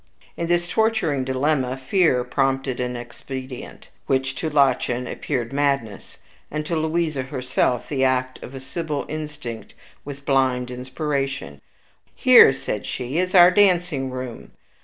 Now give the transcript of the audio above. In this torturing dilemma fear prompted an expedient, which to Lottchen appeared madness, and to Louisa herself the act of a sibyl instinct with blind inspiration. "Here," said she, "is our dancing room.